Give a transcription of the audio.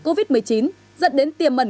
covid một mươi chín dẫn đến tiềm ẩn